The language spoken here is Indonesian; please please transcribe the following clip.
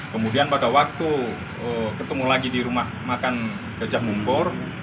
kemudian pada waktu ketemu lagi di rumah makan gajah mumpur